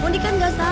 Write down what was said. mundi kan gak salah